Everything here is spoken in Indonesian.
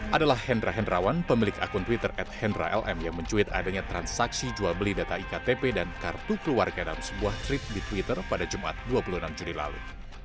adalah hendra hendrawan pemilik akun twitter at hendra lm yang mencuit adanya transaksi jual beli data iktp dan kartu keluarga dalam sebuah trip di twitter pada jumat dua puluh enam juli lalu